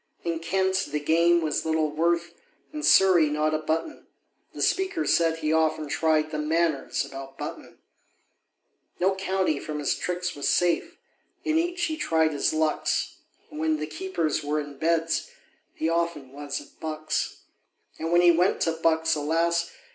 In Kent the game was little worth, In Surrey not a button; The Speaker said he often tried The Manors about Button. No county from his tricks was safe; In each he tried his lucks, And when the keepers were in Beds, He often was at Bucks. And when he went to Bucks, alas!